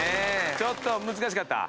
ちょっと難しかった？